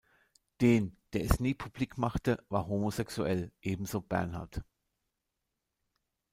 Dehn, der es nie publik machte, war homosexuell, ebenso Bernard.